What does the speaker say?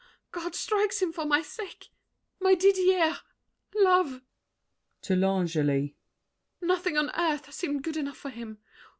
God strikes him for my sake! My Didier! love! [To L'Angely.] Nothing on earth seemed good enough for him!